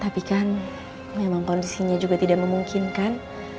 tapi kan memang kondisinya juga tidak memungkinkan